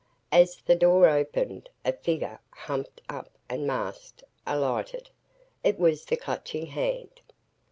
As the door opened, a figure, humped up and masked, alighted. It was the Clutching Hand.